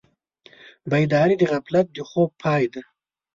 بیداري د غفلت د خوب پای ده.